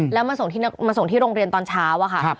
แล้วมาส่งที่โรงเรียนตอนเช้าอะค่ะ